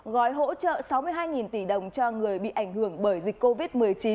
gói hỗ trợ sáu mươi hai tỷ đồng cho người bị ảnh hưởng bởi dịch covid một mươi chín